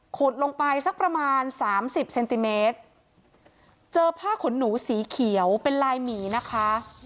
ลงไปสักประมาณสามสิบเซนติเมตรเจอผ้าขนหนูสีเขียวเป็นลายหมีนะคะ